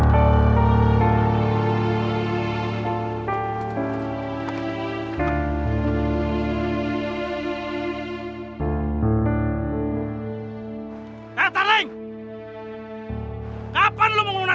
atau penjeng nba